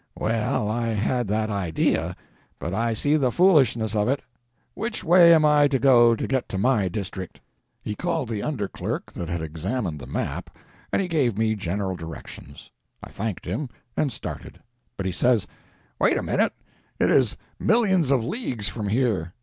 "Well, I had that idea—but I see the foolishness of it. Which way am I to go to get to my district?" He called the under clerk that had examined the map, and he gave me general directions. I thanked him and started; but he says— "Wait a minute; it is millions of leagues from here.